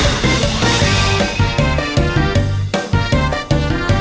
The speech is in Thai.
โปรดติดตามตอนต่อไป